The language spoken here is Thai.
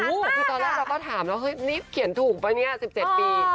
คือตอนแรกเราก็ถามแล้วเฮ้ยรีบเขียนถูกป่ะเนี่ย๑๗ปี